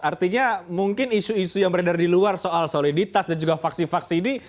artinya mungkin isu isu yang beredar di luar soal soliditas dan juga faksi faksi ini